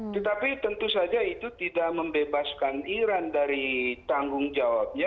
tetapi tentu saja itu tidak membebaskan iran dari tanggung jawabnya